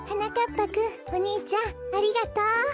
ぱくんおにいちゃんありがとう！